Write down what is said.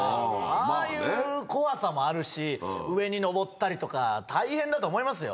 ああいう怖さもあるし、上に上ったりとか、大変だと思いますよ。